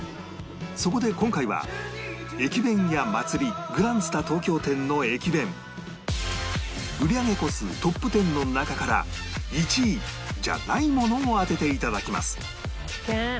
そこで今回は駅弁屋祭グランスタ東京店の駅弁売り上げ個数トップ１０の中から１位じゃないものを当てて頂きます